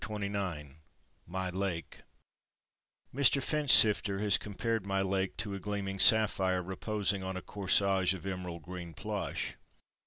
MY LAKE Mr. Finchsifter has compared my Lake to a gleaming sapphire reposing on a corsage of emerald green plush.